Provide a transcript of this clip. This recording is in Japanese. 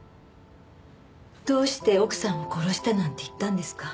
どうして奥さんを殺したなんて言ったんですか？